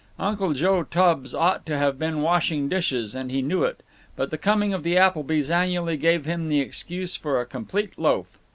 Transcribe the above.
Uncle Joe Tubbs ought to have been washing dishes, and he knew it, but the coming of the Applebys annually gave him the excuse for a complete loaf.